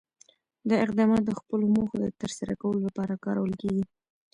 دا اقدامات د خپلو موخو د ترسره کولو لپاره کارول کېږي.